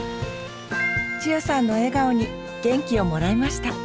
千代さんの笑顔に元気をもらいました。